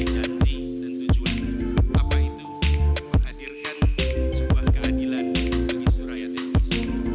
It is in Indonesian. keadilan bagi suraya tenggisi